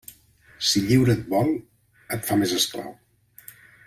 Si lliure et vol, et fa més esclau.